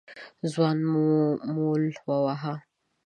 ځوان مول وواهه.